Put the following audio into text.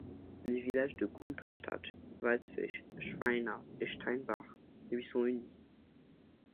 Les villages de Gumpelstadt, Waldfisch, Schweina et Steinbach lui sont unis.